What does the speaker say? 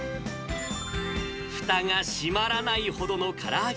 ふたが閉まらないほどのから揚げ